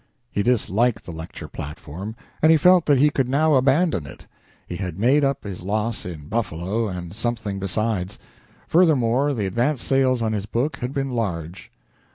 He disliked the lecture platform, and he felt that he could now abandon it. He had made up his loss in Buffalo and something besides. Furthermore, the advance sales on his book had been large.